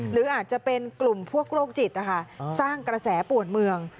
หรืออาจจะเป็นกลุ่มพวกโรคจิตนะคะสร้างกระแสปวดเมือง